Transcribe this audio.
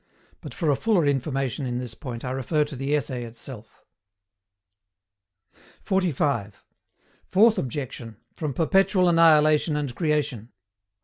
But for a fuller information in this point I refer to the Essay itself. 45. FOURTH OBJECTION, FROM PERPETUAL ANNIHILATION AND CREATION.